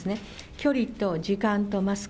距離と時間とマスク。